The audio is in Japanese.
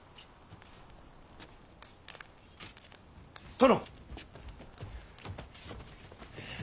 殿。